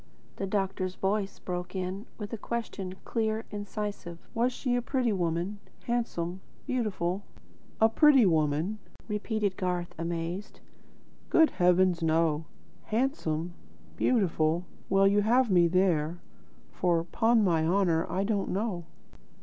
The doctor's voice broke in with a question, clear, incisive. "Was she a pretty woman; handsome, beautiful?" "A pretty woman?" repeated Garth, amazed: "Good heavens, no! Handsome? Beautiful? Well you have me there, for, 'pon my honour, I don't know."